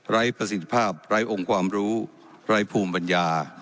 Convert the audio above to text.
ประสิทธิภาพไร้องค์ความรู้ไร้ภูมิปัญญา